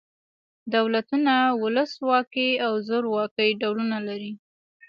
دولتونه ولس واکي او زورواکي ډولونه لري.